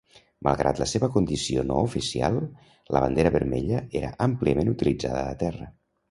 Malgrat la seva condició no oficial, la bandera vermella era àmpliament utilitzada a terra.